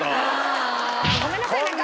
あごめんなさいなんか。